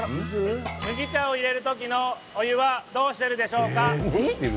麦茶をいれる時のお湯はどうしているでしょうか？